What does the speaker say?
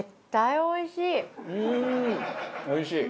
おいしい。